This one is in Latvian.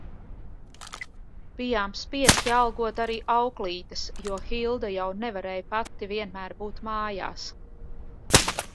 Bijām spiesti algot arī auklītes, jo Hilda jau nevarēja pati vienmēr būt mājās.